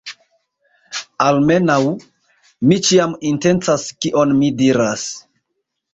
Almenaŭ,... mi ĉiam intencas kion mi diras.